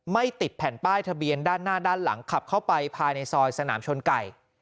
ไม่ติดแผ่นป้ายทะเบียนด้านหน้าด้านหลังขับเข้าไปภายในซอยสนามชนไก่